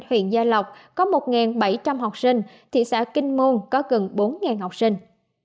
huyện gia lộc có một bảy trăm linh học sinh thị xã kinh môn có gần bốn học sinh